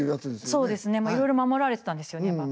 そうですねいろいろ守られてたんですよね。